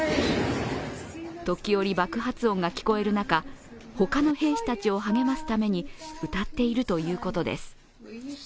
時折、爆発音が聞こえる中他の兵士たちを励ますために歌っているということです。